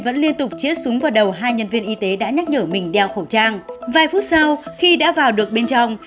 vẫn liên tục chiết súng vào đầu hai nhân viên y tế đã nhắc nhở mình đeo khẩu trang vài phút sau khi đã vào được bên trong